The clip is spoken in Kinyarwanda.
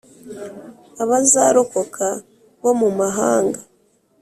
abazarokoka bo mu mahanga